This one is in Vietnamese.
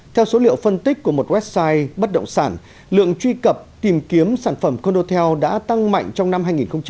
theo số liệu phân tích của một website bất động sản lượng truy cập tìm kiếm sản phẩm condotel đã tăng mạnh trong năm hai nghìn một mươi chín